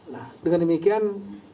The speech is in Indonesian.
nah dengan demikian